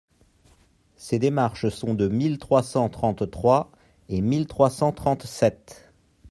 Ces démarches sont de mille trois cent trente-trois et mille trois cent trente-sept.